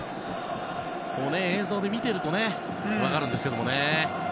映像で見てると分かるんですけどもね。